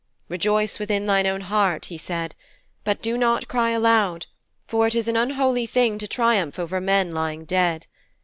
'Rejoice within thine own heart,' he said, 'but do not cry aloud, for it is an unholy thing to triumph over men lying dead.